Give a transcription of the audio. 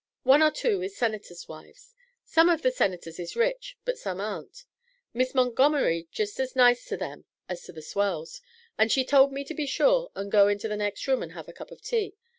One or two is Senators' wives. Some of the Senators is rich, but some ar'n't. Mis' Montgomery's jest as nice to them as to the swells, and she told me to be sure and go into the next room and have a cup of tea.